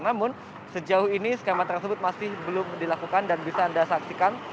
namun sejauh ini skema tersebut masih belum dilakukan dan bisa anda saksikan